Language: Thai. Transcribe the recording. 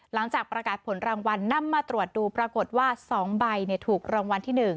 หลังจากประกาศผลรางวัลนำมาตรวจดูปรากฏว่า๒ใบถูกรางวัลที่๑